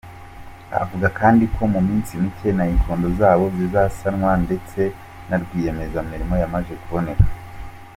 Avuga kandi ko mu minsi mike nayikondo zabo zizasanwa ndetse na rwiyemezamirimo yamaze kuboneka.